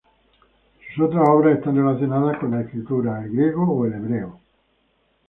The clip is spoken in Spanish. Sus otras obras están relacionadas con las escrituras, el griego o el hebreo.